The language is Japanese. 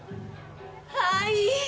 はい。